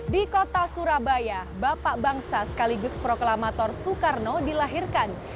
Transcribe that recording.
di kota surabaya bapak bangsa sekaligus proklamator soekarno dilahirkan